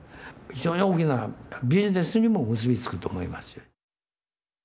非常に大きなビジネスにも結び付くと思います。